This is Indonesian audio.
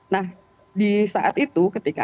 nah di saat itu ketika